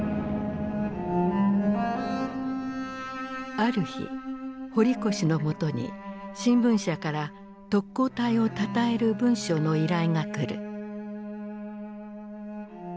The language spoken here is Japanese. ある日堀越の元に新聞社から特攻隊をたたえる文章の依頼が来る。